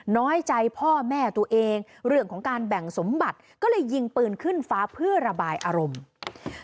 น้อยใจพ่อแม่ตัวเองเรื่องของการแบ่งสมบัติก็เลยยิงปืนขึ้นฟ้าเพื่อระบายอารมณ์